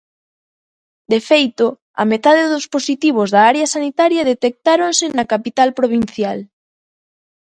De feito, a metade dos positivos da área sanitaria detectáronse na capital provincial.